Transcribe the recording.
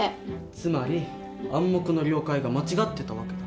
つまり「暗黙の了解」が間違ってた訳だ。